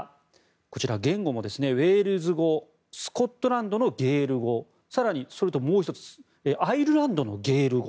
こちら、言語もウェールズ語スコットランドのゲール語更に、それともう１つアイルランドのゲール語